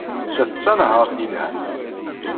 Nettat d tanehhaṛt yelhan.